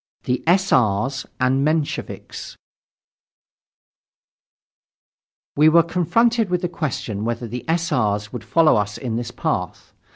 THE S. R.'S AND MENSHEVIKS We were confronted with the question whether the S. R.'s would follow us in this path.